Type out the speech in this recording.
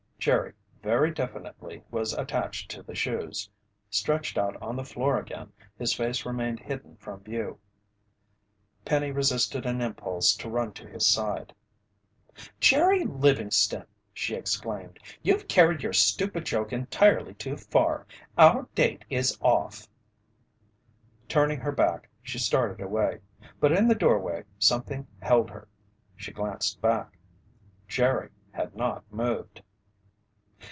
Jerry, very definitely was attached to the shoes. Stretched out on the floor again, his face remained hidden from view. Penny resisted an impulse to run to his side. "Jerry Livingston!" she exclaimed. "You've carried your stupid joke entirely too far! Our date is off!" Turning her back, she started away. But in the doorway, something held her. She glanced back. Jerry had not moved.